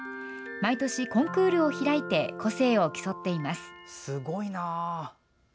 毎年、コンクールを開いて個性を競っています。